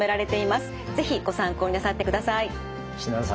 是非ご参考になさってください。